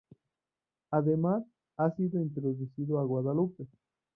Además, ha sido introducido a Guadalupe.